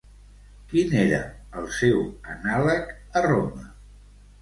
Quin era el seu anàleg a Roma?